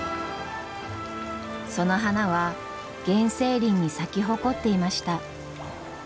その花は原生林に咲き誇っていました。